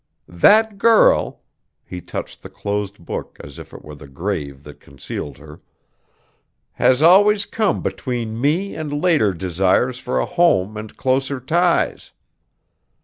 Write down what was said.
That girl" he touched the closed book as if it were the grave that concealed her "has always come between me and later desires for a home and closer ties.